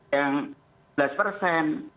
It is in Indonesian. yang dua belas persen